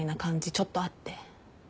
ちょっとあって。